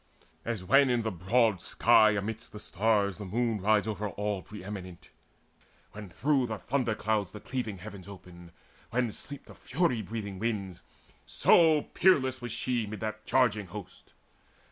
As when in the broad sky amidst the stars The moon rides over all pre eminent, When through the thunderclouds the cleaving heavens Open, when sleep the fury breathing winds; So peerless was she mid that charging host.